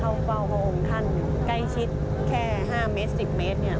เพราะว่าองค์ท่านใกล้ชิดแค่๕เมตร๑๐เมตรเนี่ย